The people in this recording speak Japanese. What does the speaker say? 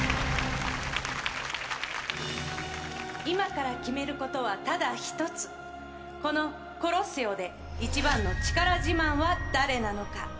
今から決めることはただ一つこのコロッセオで一番の力自慢は誰なのか？